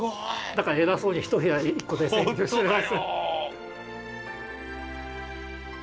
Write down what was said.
だから偉そうに１部屋１個で占領してます。